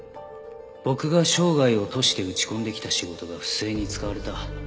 「僕が生涯を賭して打ち込んで来た仕事が不正に使われた」